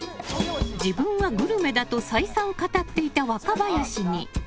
自分はグルメだと再三、語っていた若林に。